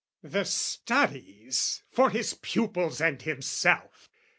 The studies for his pupils and himself!